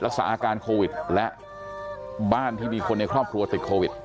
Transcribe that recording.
รักษาอาการโควิดและบ้านที่มีคนในครอบครัวติดโควิด